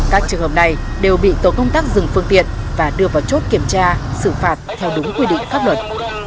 các trường hợp này đều bị tổ công tác dừng phương tiện và đưa vào chốt kiểm tra xử phạt theo đúng quy định pháp luật